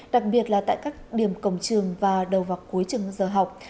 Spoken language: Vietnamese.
đặc biệt là tại các điểm cổng trường và đầu vào cuối trường giờ học